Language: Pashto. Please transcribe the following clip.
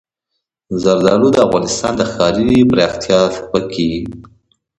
زردالو د افغانستان د ښاري پراختیا سبب کېږي.